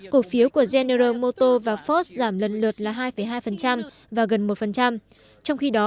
cổ phiếu của gener moto và ford giảm lần lượt là hai hai và gần một trong khi đó